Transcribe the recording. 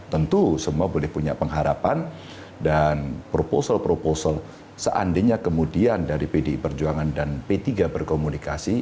tentu semua boleh punya pengharapan dan proposal proposal seandainya kemudian dari pdi perjuangan dan p tiga berkomunikasi